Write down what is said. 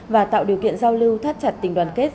và tạo điều kiện giao lưu thắt chặt tình đoàn kết